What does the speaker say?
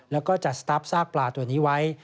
และก็จัดสรรพซากปลาตัวนี้ไว้